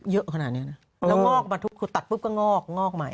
เยอะขนาดนี้นะแล้วงอกมาตัดปุ๊บก็งอกงอกใหม่